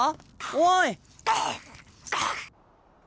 おい。